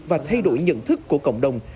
và thay đổi nhận thức của cộng đồng